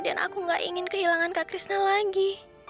dan aku gak ingin kehilangan kak krishna lagi